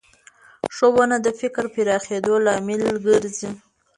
ښوونه د فکر پراخېدو لامل ګرځي